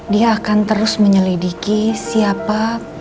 dia akan terus menyelidiki siapa